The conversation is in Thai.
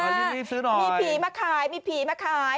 ลิลลี่ซื้อหน่อยมีผีมาขายมีผีมาขาย